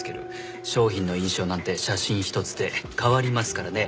商品の印象なんて写真ひとつで変わりますからね。